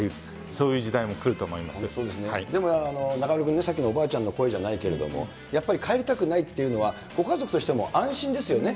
そういう時代も来るそうですね、中丸君、さっきのおばあちゃんの声じゃないけれども、やっぱり、帰りたくないっていうのは、ご家族としても、安心ですよね。